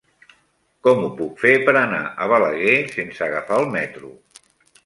Com ho puc fer per anar a Balaguer sense agafar el metro?